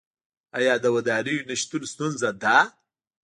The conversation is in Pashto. آیا د ودانیو نشتون ستونزه ده؟